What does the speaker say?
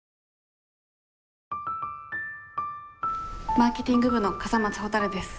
マーケティング部の笠松ほたるです。